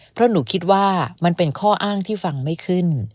เพราะหนูคิดว่ามันเป็นข้ออ้างที่ฟังไม่ขึ้น